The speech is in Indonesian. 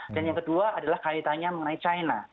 dan yang kedua adalah kaitannya mengenai china